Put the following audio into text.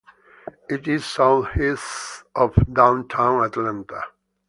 It is southeast of downtown Atlanta.